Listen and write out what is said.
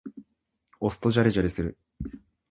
押すとジャリジャリする。